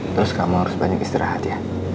terus kamu harus banyak istirahat ya